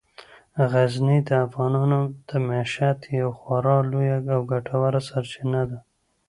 غزني د افغانانو د معیشت یوه خورا لویه او ګټوره سرچینه ده.